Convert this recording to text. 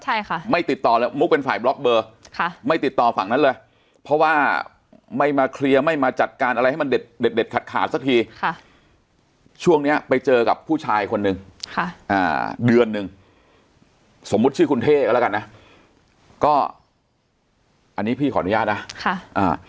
ใช่ค่ะไม่ติดต่อเลยมุกเป็นฝ่ายบล็อกเบอร์ค่ะไม่ติดต่อฝั่งนั้นเลยเพราะว่าไม่มาเคลียร์ไม่มาจัดการอะไรให้มันเด็ดเด็ดเด็ดขาดขาดสักทีค่ะช่วงเนี้ยไปเจอกับผู้ชายคนนึงค่ะอ่าเดือนหนึ่งสมมุติชื่อคุณเท่กันแล้วกันนะก็อันนี้พี่ขออนุญาตนะค่ะอ่า